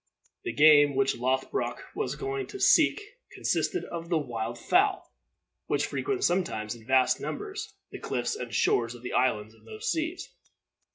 The game which Lothbroc was going to seek consisted of the wild fowl which frequents sometimes, in vast numbers, the cliffs and shores of the islands in those seas.